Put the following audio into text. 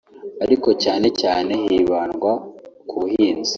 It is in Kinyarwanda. ariko cyane cyane hibandwa ku buhinzi